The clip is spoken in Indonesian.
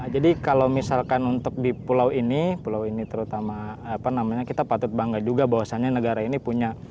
jadi kalau misalkan untuk di pulau ini pulau ini terutama apa namanya kita patut bangga juga bahwasannya negara ini punya